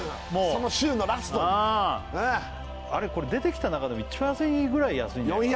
その週のラストにあれこれ出てきた中でも一番安いぐらい安いんじゃない？